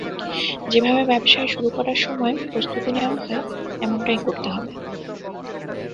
যেভাবে ব্যবসায় শুরু করার সময় প্রস্তুতি নেওয়া হয়, তেমনটাই করতে হবে।